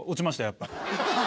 やっぱり。